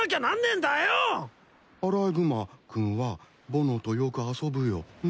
アライグマ君はぼのとよく遊ぶよね？